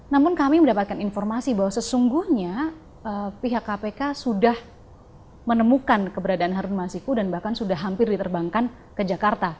namun kami mendapatkan informasi bahwa sesungguhnya pihak kpk sudah menemukan keberadaan harun masiku dan bahkan sudah hampir diterbangkan ke jakarta